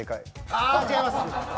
あ、違います。